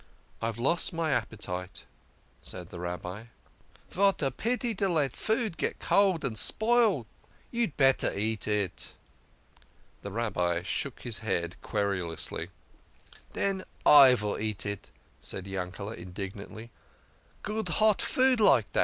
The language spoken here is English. " I have lost my appetite," said the Rabbi. " Vat a pity to let food get cold and spoil ! You'd better eat it." The Rabbi shook his head querulously. "Den I vill eat it," cried Yankele indignantly. "Good hot food like dat